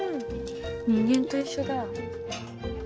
人間と一緒だ。